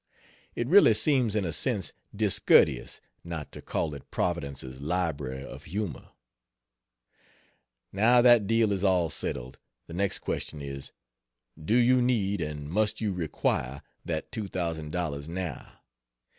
It really seems in a sense discourteous not to call it "Providence's Library of Humor." Now that deal is all settled, the next question is, do you need and must you require that $2,000 now?